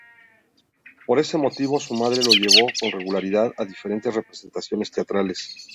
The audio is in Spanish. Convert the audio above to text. Por ese motivo, su madre lo llevó con regularidad a diferentes representaciones teatrales.